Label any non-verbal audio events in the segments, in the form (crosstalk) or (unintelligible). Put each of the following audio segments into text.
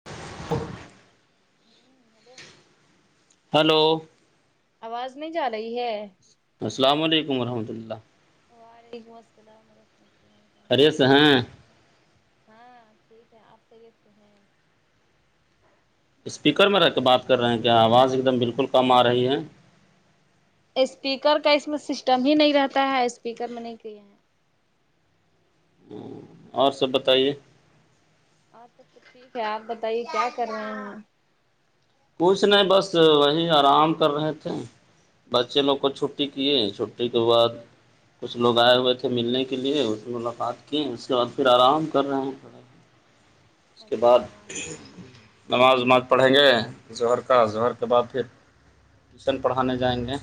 (unintelligible) ہوں hello (unintelligible) hello آواز نہیں جا رہی ہے السلام علیکم رحمتۃ اللہ وعلیکم السلام ورحمۃ اللہہ اریےس ہاں (unintelligible) ہاں ٹھیک ہے آپ تو یہ ہیں (unintelligible) اسپیکر میں رہ کے بات کر رہے ہیں کیا آواز ایک دم بالکل کم آ رہی ہے اسپیکر کا اس میں سسٹم ہی نہیں رہتا ہے اسپیکر میں نہیں کہے ہیں ہ اور سب بتائیے آپ سب تو ٹھیک ہے آپ بتائیے کیا کر رہے ہیں کچھ نہیں بس وہی آرام کر رہے تھے بچے لوگ کو چھٹی کیے ہیں چھٹی کے بعد کچھ لوگ آئے ہوئے تھے ملنے کے لیے اس سے ملاقات کیے اس کے بعد پھر آرام کر رہے ہیںڑ (inaudible) اس کے بعد اچھا نماز وماز پڑھیں گے ظہر کا ظہر کے بعد پھر ٹیوشن پڑھانے جائیں گے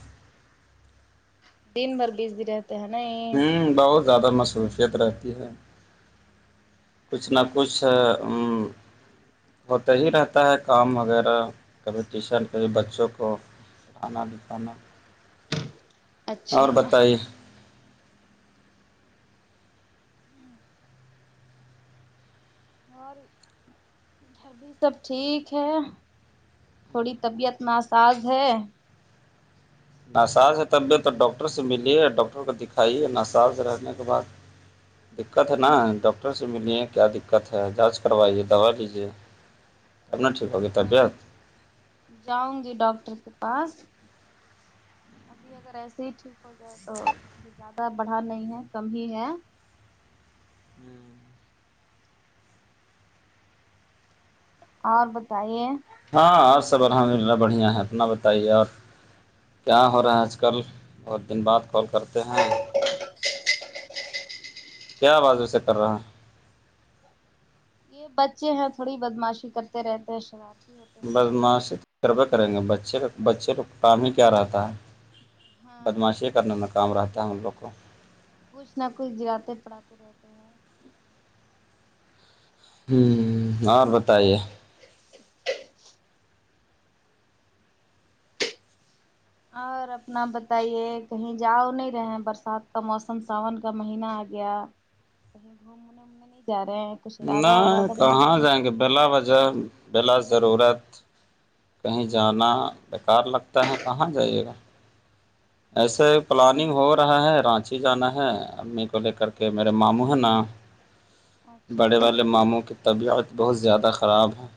دینن بھر بیس د رہ (unintelligible) ہے نہیں ہوں بہت زیادہ مصروفیت رہتی ہے کچھ نہ کچھ ہوتا ہی رہتا ہے کام وغیرہ کبھی ٹیشن کبھی بچوں کو آنال کاان اچھا بتائیے اور ابھی سب ٹھیک ہے تھوڑی طبیعت ناساز ہے نساز ہے طبیعت ڈاکٹر سے ملی ہے ڈاکٹر کو دکھائی ہے نساز رہنے کے بعد دقت ہے نا ڈاکٹر سے ملیے کیا دقت ہے جانچ کروائیے دوا لیجیے (inaudible) آپنا ٹھیک ہو ت بیت ہوں جاؤں گی ڈاکٹر کے پاس ابھی اگر ایسے ہی ٹھیک ہو جائے تو زیادہ بڑھا نہیں ہے کم ہی ہے ہوں اور بتائیے ہاں آپ سب الحمد للہ بڑھیا ہے اپنا بتائیے اورپ کیا ہو رہا ہے آج کل بہت دن بعد کال کرتے ہیں کیا آواز اسے کر رہا ہے یہ بچے ہیں تھوڑی بدماشی کرتے رہتے ہیں شرارتی ہو بس معاشی تجربے کریں گے بچے کا بچے کو کام ہی کیا رہتا ہے ہاں بدماشی کرنے میں کام رہتا ہے ہم لوگ کو کچھ نہ کچھ گراتے پڑھاتے رہتے ہیں ہ اور بتائیے اور اپنا بتائیے کہیں جاؤ نہیں رہے برسات کا موسم ساون کا مہینہ آ گیا کہیں گھومنے اومنے نہیں جا رہے کچھ ارادہ نہیں ارادہ بنا کہاں جائیں گے بلا وجہ بلا ضرورت کہیں جانا بیکار لگتا ہے کہاں جائیے گا (inaudible) ایسے پلاننگ ہو رہا ہے رانچی جانا ہے امی کو لے کر کے میرے ماموں ہیں نا اچھا بڑے والے ماموں کی طبیعت بہت زیادہ خراب ہے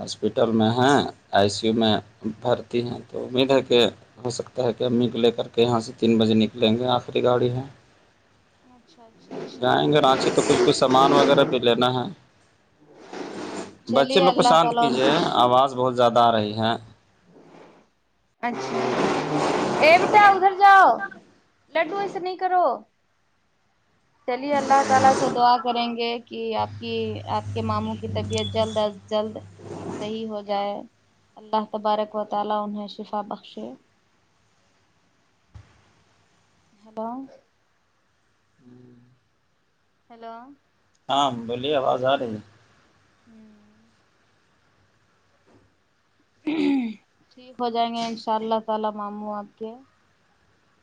ہاسپٹل میں ہیں آئی سی یو میں بھرتی ہیں تو امید ہے کہ ہو سکتا ہے کہ امی کو لے کر کے یہاں سے تین بجے نکلیں گے آخری گاڑی ہے اچھا جائیں گے اچھا رانچی تو کچھ کچھ اچھا سامان وغیرہ پہ لینا ہے بچے چلیے لوگ کو اللہ شانت تعالی ان کیجیے کو آواز بہت زیادہ آ رہی ہے اچھا ا بتا ادھر جاؤ لڈو ایسے نہیں کرو (unintelligible) کے ماموں کی طبیعت جلد از جلد (unintelligible) ہیلو ہیلو ہاں بولیے آواز آ رہی ہے ہوں ٹھیک ہو جائیں گے ان شاء اللہ تعالی معاموں آپ کے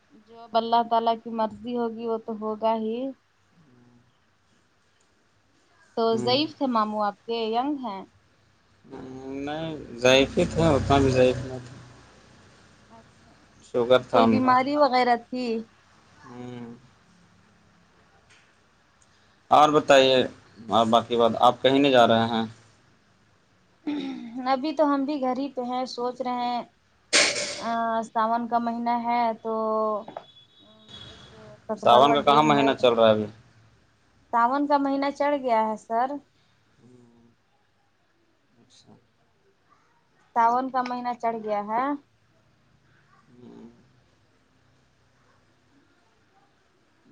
(unintelligible) تو ہے ہ ضعیف تھے ماموں آپ کے ینگ ہیں آ جاہ پے تو اتنا بھی جاہ پے اچھا شوگر تھا کوئی ان کا بیماری وغیرہ تھی ہ اور بتائیے اور باقی بات آپ کہیں نہیں جا رہے ہیں ابھی تو ہم بھی گھر ہی پہ ہیں سوچ رہے ہیں ا ساون کا مہینہ ہے تو ست ساون برو کا کہاں ڈیم ہے مہینہ چل رہا ابھی سون کا مہینہ چڑھ گیا ہے سر اچھا ساون کا مہینہ چڑھ گیا ہے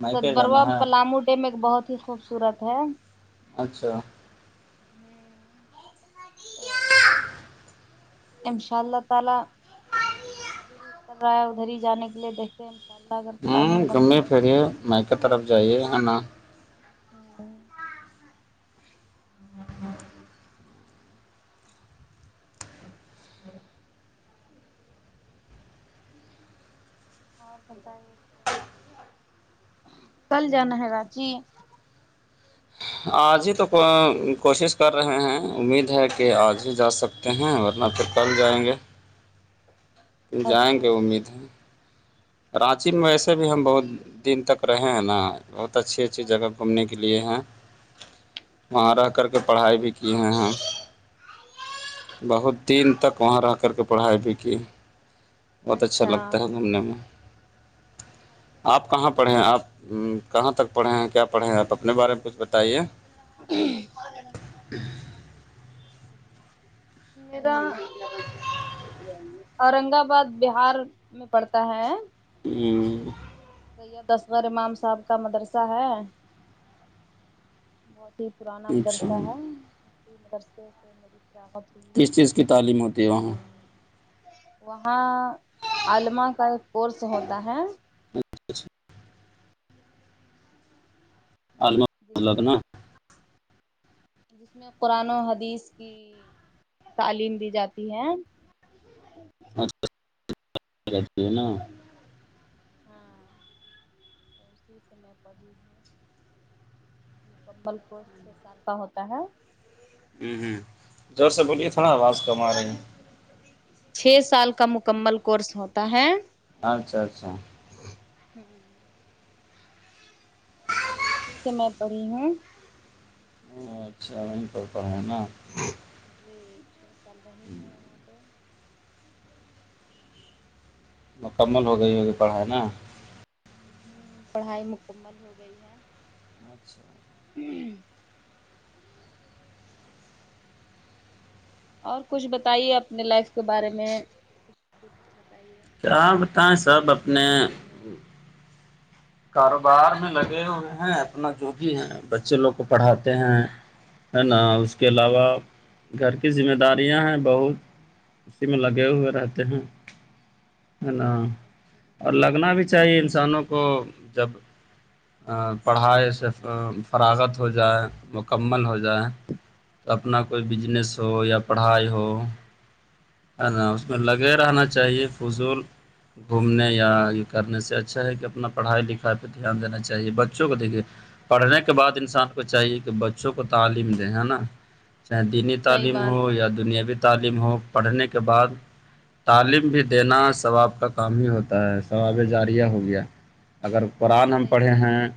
میکے ستبروا جانا ہے پلامو ڈیم ایک بہت ہی خوبصورت ہے اچھا ہوں انشاءاللہ تعالی ادھر ہی جانے کے لیے دیکھتے ہیں اللہ اگر ہوں پلاننگ گھوم بنتی ہے پریے م کی طرف جائیے ہے نا ہوں اور بتائیے کل جانا ہے رانچی آج ہی تو کوشش کر رہے ہیں امید ہے کہ کہ آج ہی جا سکتے ہیں ورنہ تو کل جائیں گے پ جائیں اچھا گے اچھا امید ہے رانچی میں ویسے بھی ہم بہت دن تک رہے ہیں نا بہت اچھی اچھی جگہ گھومنے کی لیے ہیں ہاں وہاں رہ کر ہاں کے پڑھائی بھی کی ہے ہیں بہت دن تک وہاں رہ کر کے پڑھائی بھی کی بہت اچھا لگتا ہے گھومنے میں آپ کہاں پرڑھ ہیں آپ کہاں تک پڑھے ہیں کیا پڑھے ہیں آپ اپنے بارے میں کچھ بتائیے (unintelligible) میرا اورنگ آباد بہار میں پڑتا ہے (unintelligible) ب دسغ امام صاحب کا مدرسہ ہے بہت ہی پرانا اچھا مدرسہ ہے مدرسے سے میری فاغت کس چیز کی تعلیم ہوتی ہے وہاں وہاں علمہ کا ایک کورس ہوتا ہے (unintelligible) الم جس میں جس میں قرآن و حدیث کی تعلیم دی جاتی ہے (unintelligible) ہاں اور اسی سمے پر مکمل کوچ چھ سال کا ہوتا ہے ہوں ہوں ور سے بولیے تھوڑا آواز کم آ رہی ہیں چھ سال کا مکمل کورس ہوتا ہے اچھا اچھا ہمم (unintelligible) اور اچھا وہیں پر پڑ ہے نا جی چھ سال رہی ہے وہاں پہ مکمل ہو گئی ہوگی پڑھائی نا ہمم پڑھائی مکمل ہو گئی ہے اچھا ہمم اور کچھ بتائیے اپنے لائف کے بارے میں کچھ کچھ بتائیے کیااں بتائیں سب اپنی اپنے سوچ اپنی کاروبار میں لگے ہوئے ہیں اپنا جو بھی ہے بچے لوگ کو پڑھاتے ہیں ہے نا اس کے علاوہ گھر کی ذمہ داریاں ہیں بہت اسی میں لگے ہوئے رہتے ہیں نا اچھا اور لگنا بھی چاہیے انسانوں کو جب پڑھائی سے فراغت ہو جائے مکمل ہو جائے اپنا کوئی بجنس ہو یا پڑھائی ہو اس میں لگے رہنا چاہیے فضول گھومنے یا یہ کرنے سے اچھا ہے کہ اپنا پڑھائی لکھائی پہ دھیان دینا چاہیے بچوں کو دیکے پڑھنے کے بعد انسان کو چاہیے کہ بچوں کو تعلیم دیں ہے نا چاہے دینی صحیح تعلیم ہو بات ہے یا دنیاوی تعلیم ہو پڑھنے کے بعد تعلیم بھی دینا ثواب کا کام ہی ہوتا ہے ثواب جاریہ ہو گیا اگر قرآن ہم صحیح پڑھے بات ہیں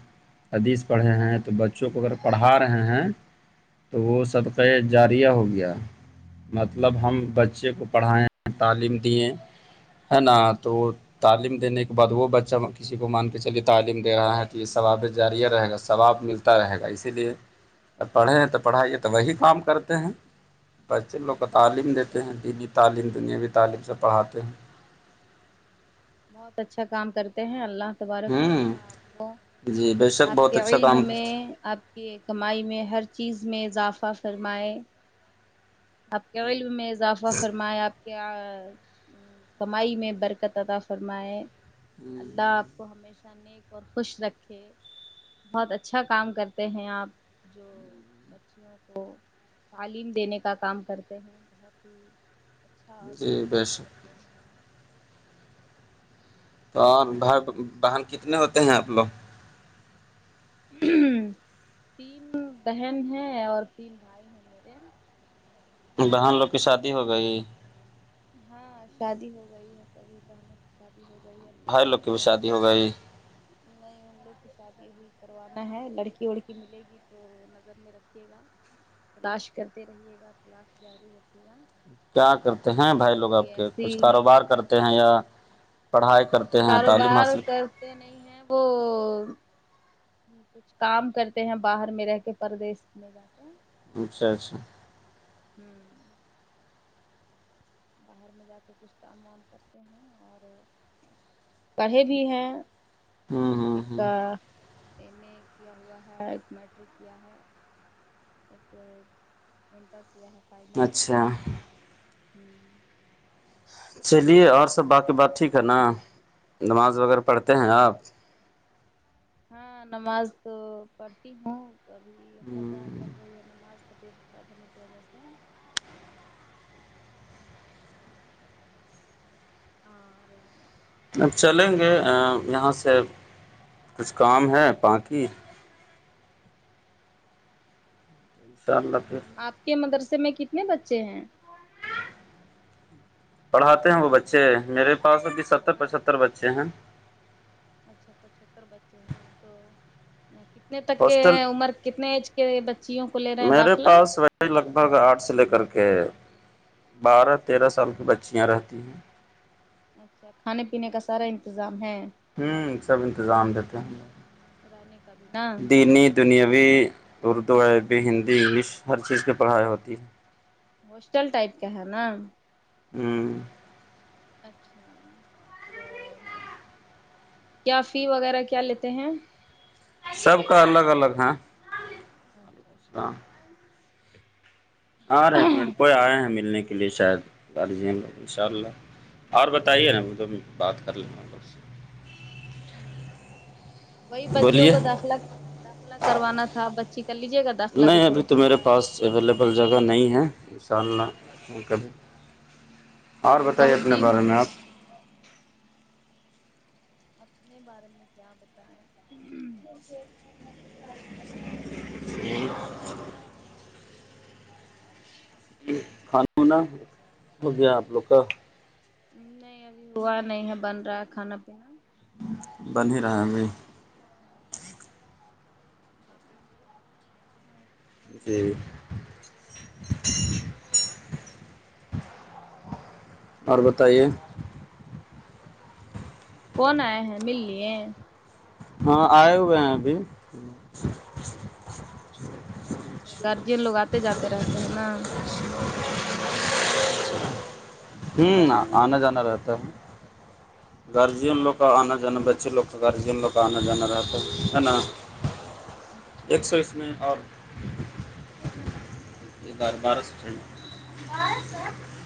حدیث پڑھے ہیں تو بچوں کو اگر پڑھا رہے ہیں وہ صدقے جاریہ ہو گیا مطلب ہم اچھا بچے اچھا بچے کو پڑھائائے تعلیم دیے ہے نا تو تعلیم دینے کے بعد وہ بچہ کسی کو مان کہ چلیے تعلیم دے رہا ہے تو یہ ثوابط جارییہ رہے گا ثواب ملتا رہے گا اسی لیے ا پڑھے ہیں تو پڑھائیے تو وہی کام کرتے ہیں بچے لوگوں ہوں کو تعلیم ہوں دیتے ہیں دینی تعلیم دنیاوی تعلیم سے پڑھاتے ہیں بہت اچھا کام کرتے ہیں اللہ تبارک و ہوں تعالی جی بے شک اپ بہت کے اچھا علم کام کرتے میں کہ کمائی میں ہر چیز میں اضافہ فرمائے آپ کے علم میں اضافہ فرمایا آپ کے کمائی میں برکت ادا فرمائے ہیں اللہ آپ کو ہمیشہ اور خوش رکھے بہت اچھا کام کرتے ہیں آپ جو بچیوں کو تعلیم دینے کا کا کام کرتے ہیں بہت ہی اچھا اور نیک جی بے کام شک کرتے ہیں آپ تو بھائی باہن کتنے ہوتے ہیں آپ لوگ تین بہن ہیں اور تین بھائی ہیں میرے بہن لوگ کی شادی ہو گئی ہاں شادی ہو گئی ہے سبھی بہنوں کی شادی ہو گئی ہے بھائی لوگ کی بھی بچے شادی ہو ہوئے گئی نہیں ان لوگ کی شادی بھی کروانا ہے لڑکی وڑکی ملے گی تو نظر میں رکھیے گا تلاش کرتے رہیے گا تلاش جاری رکے گا کیا کرتے ہیں بھائی لوگ کوئی آپ کے ایسی کچھ کاروبار کرتے ہیں یا پڑھائی کرتے ہیں تعلیم کاروبار حاصل کرتے نہیں ہے وہ کچھ کام کرتے ہیں باہر میں رہ کے پردیس میں جاتے ہیں اچھا اچھا ہمم باہر میں جا کے کچھ کام وام کرتے ہیں اور پڑھے بھی ہیں (unintelligible) ہوں ہوں ایک ہوں ایم ا کیا ہوا ہے میٹرک کیا ہے (unintelligible) ایک انٹر کیا ہے فائنل ج (unintelligible) ہوں چلیے اور سب باقی بات ٹھیک ہے نا نماز وغیرہ پڑھتے ہیں آپ ہاں نماز تو پڑھتی ہوں کبھی ضات چل رہی ہے نماز طبیعت خراب ہونے کی وجہ سے اور اب چلیں گے یہاں سے کچھ کام ہے بااکی (unintelligible) آپ کے مدرسے میں کتنے بچے ہیں پڑھاتے ہیں وہ بچے میرے پاس ابھی ستر ہاں پچہتر بچے ہیں (unintelligible) اچھا پچہتر بچے ہیں تو (unintelligible) کتنے تک کے ہاسٹل عمر کتنے ایج کے بچیوں کو لے رہے ہیں داخلہ بھائی لگ بھگ آرٹ سے لے کر کے بارہ تیرہ سال کی بچیاں رہتی ہیں (unintelligible) اچھا کھانے پینے کا سارا انتظام ہے ہوں سب انتظام دیتے ہیں ہم رہنے کا بھی نا لوگ دینی (unintelligible) دنیاوی اردو عربی ہندی انگلش ہر چیز کی پڑھائی ہوتی ہے ہوسٹل ٹائپ کا ہے نا ہوں اچھا تو کیا فی وغیرہ کیا لیتے ہیں سب کا الگ الگ ہے وعلیکم اچھا السلام اچھا (unintelligible) آ رہے ایک منٹ کوئی آئے ہیں ملنے کے (unintelligible) کے لیے شاید گارجین ان شاء اللہ اور بتائیے نا وہ تو بات کر لینا لگ سے (unintelligible) ہ وہی بچیوں بولیے کو داخلہ داخلہ کروانا تھا بچی کر لیجے گا داخلہ نہیں دوٹھو ابھی تو بچی میرے کا پاس اویلیبل جگہ نہیں ہے ان شاء اللہ کبھی اور بتائیے بہت اپنے دن بارے میں آپ اپنے بارے میں کیا بتائیں (inaudible) کھاناناا ہو گیا آپ لوگ کا (unintelligible) نہیں ابھی ہوا نہیں ہے بن رہا ہے کھانا پینا بن ہی رہا ہے ابھی ہوں (unintelligible) ہوں (unintelligible) جی اور بتائیے کون آئے ہیں مل لیے ہاں آئے ہوئے ہیں ابھی اچھا گارجین لوگ آتے جاتے رہتے ہیں نا (unintelligible) ہوں آنا جانا رہتا ہے گارجین لوگ کا آنا جانا بچے لوگ کا گارجین لو کا آنا جانا رہتا ہے نا اچھا ایک سو اس میں ہاں ہاں اور یہ بر بار س (unintelligible)